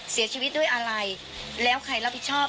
เสียชีวิตด้วยอะไรแล้วใครรับผิดชอบ